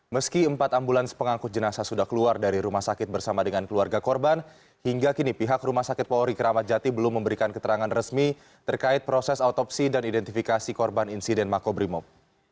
meski empat ambulans pengangkut jenazah sudah keluar dari rumah sakit bersama dengan keluarga korban hingga kini pihak rumah sakit polri keramat jati belum memberikan keterangan resmi terkait proses autopsi dan identifikasi korban insiden makobrimob